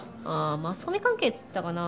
マスコミ関係っつってたかな？